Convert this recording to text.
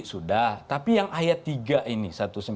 sudah tapi yang ayat tiga ini